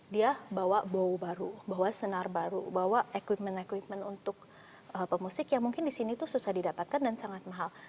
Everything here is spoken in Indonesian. dia bawa bow baru bawa senar baru bawa equipment equipment untuk pemusik yang mungkin disini tuh susah didapatkan dan sangat mahal